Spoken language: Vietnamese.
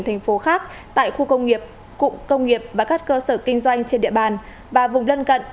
thành phố khác tại khu công nghiệp cụm công nghiệp và các cơ sở kinh doanh trên địa bàn và vùng lân cận